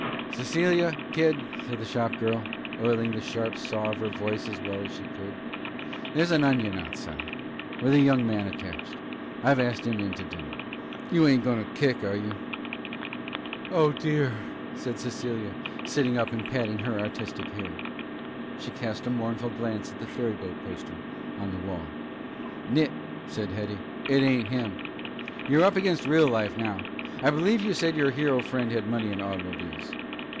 "Cecilia, kid," said the shop girl, oiling the sharp saw of her voice as well as she could, "there's an onion outside. With a young man attached. I've asked him in to dinner. You ain't going to kick, are you?" "Oh, dear!" said Cecilia, sitting up and patting her artistic hair. She cast a mournful glance at the ferry boat poster on the wall. "Nit," said Hetty. "It ain't him. You're up against real life now. I believe you said your hero friend had money and automobiles.